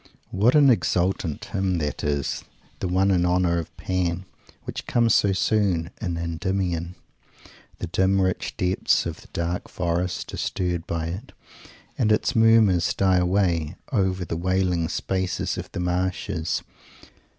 What an exultant hymn that is, the one in honour of Pan, which comes so soon in Endymion! The dim rich depths of the dark forests are stirred by it, and its murmurs die away, over the wailing spaces of the marshes.